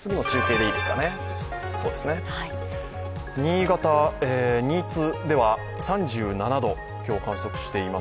新潟新津では、３７度を今日、観測しています